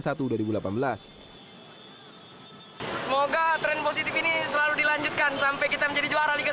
semoga tren positif ini selalu dilanjutkan sampai kita menjadi juara liga satu